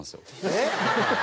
えっ？